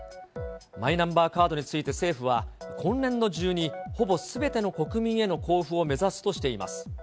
マイナンバーカードについて政府は、今年度中にほぼすべての国民への交付を目指すとしています。